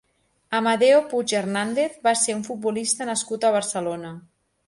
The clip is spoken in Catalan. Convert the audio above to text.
Amadeo Puig Hernández va ser un futbolista nascut a Barcelona.